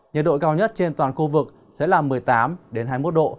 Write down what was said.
nhiệt độ cao nhất trên toàn khu vực sẽ là một mươi tám hai mươi một độ